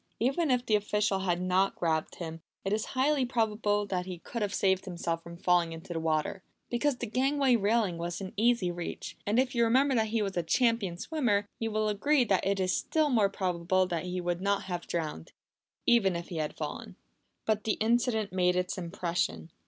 Even if the official had not grabbed him, it is highly probable that he could have saved himself from falling into the water, because the gangway railing was in easy reach; and if you remember that he was a champion swimmer, you will agree that it is still more probable that he would not have been drowned, even if he had fallen. But the incident made its impression.